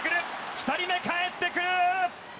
２人目かえってくる。